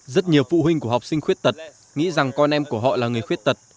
rất nhiều phụ huynh của học sinh khuyết tật nghĩ rằng con em của họ là người khuyết tật